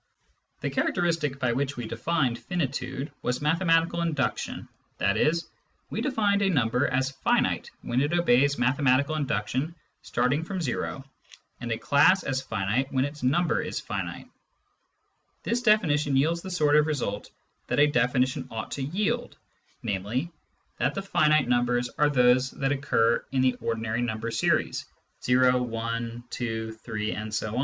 The characteristic by which we defined finitude was mathe matical induction, i.e. we defined a number as finite when it obeys mathematical induction starting from o, and a class as finite when its number is finite. This definition yields the sort of result that a definition ought to yield, namely, that the finite 88 Introduction to Mathematical Philosophy numbers are those that occur in the ordinary number series o, i, 2, 3, ...